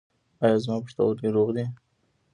ایا زما پښتورګي روغ دي؟